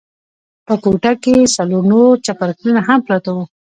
په کوټه کښې څلور نور چپرکټونه هم پراته وو.